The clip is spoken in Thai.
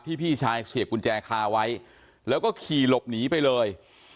พี่ชายเสียบกุญแจคาไว้แล้วก็ขี่หลบหนีไปเลย